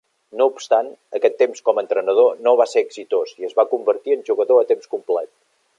No obstant, aquest temps com a entrenador no va ser exitós i es va convertir en jugador a temps complet.